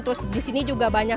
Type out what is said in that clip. terus di sini juga banyak